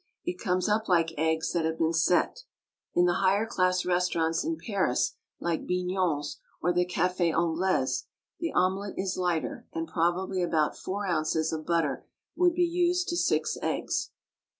It comes up like eggs that have been set. In the higher class restaurants in Paris, like Bignon's, or the Cafe Anglais, the omelet is lighter, and probably about four ounces of butter would be used to six eggs.